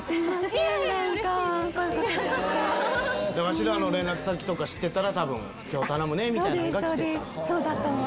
わしらの連絡先知ってたら「今日頼むね」みたいなんが来た。